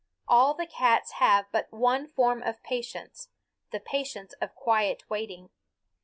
All the cats have but one form of patience, the patience of quiet waiting.